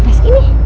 di tas ini